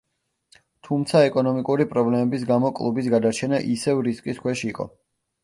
თუმცა, ეკონომიკური პრობლემების გამო კლუბის გადარჩენა ისევ რისკის ქვეშ იყო.